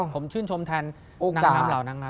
ผมชื่นชมแทนนางน้ำเหล่านางน้ำ